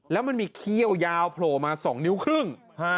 แล้วมันมีเขี้ยวยาวโผล่มา๒นิ้วครึ่ง